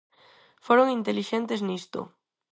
Foron intelixentes nisto.